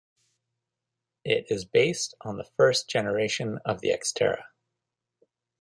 It is based on the first generation of the Xterra.